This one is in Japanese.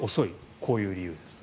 こういう理由ですと。